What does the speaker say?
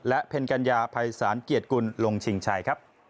และเพ็ญกัญญาภัยศาลเกียรติกุลลงชิงชัยครับ